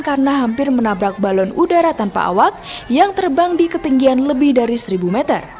karena hampir menabrak balon udara tanpa awak yang terbang di ketinggian lebih dari seribu meter